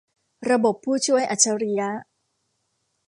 ระบบผู้ช่วยอัจฉริยะ